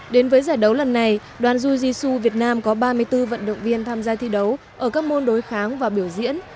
đến với giải đấu lần này đoàn juji su việt nam có ba mươi bốn vận động viên tham gia thi đấu ở các môn đối kháng và biểu diễn